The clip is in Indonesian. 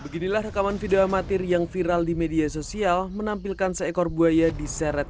beginilah rekaman video amatir yang viral di media sosial menampilkan seekor buaya diseret